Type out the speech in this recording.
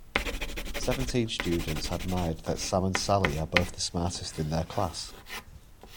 Seventeen students admired that Sam and Sally are both the smartest in their class.